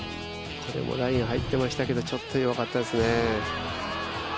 これもライン入ってましたけど、ちょっと弱かったですね。